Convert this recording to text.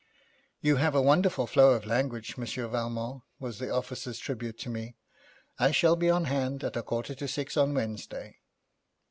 'You have a wonderful flow of language, Monsieur Valmont,' was the officer's tribute to me. 'I shall be on hand at a quarter to six on Wednesday.'